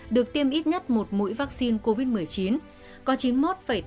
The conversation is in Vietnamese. được tiêm ít nhất một mũi vaccine covid một mươi chín